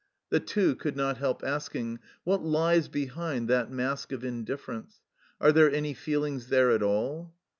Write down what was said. The Two could not help asking, " What lies behind that mask of indifference ? Are there any feelings there at all